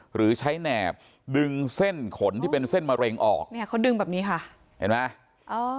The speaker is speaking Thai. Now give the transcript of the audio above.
หรือใช้แหนบดึงเส้นขนที่เป็นเส้นมะเร็งออกเนี่ยเขาดึงแบบนี้ค่ะเห็นไหมอ๋อ